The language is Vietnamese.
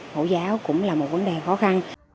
mẫu giáo cũng là một vấn đề khó khăn